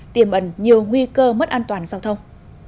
tiềm ẩn nhiều nguy cơ mất an toàn giao thông